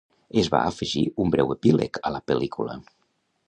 Es va afegir un breu epíleg a la pel·lícula.